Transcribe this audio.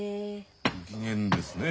ご機嫌ですねえ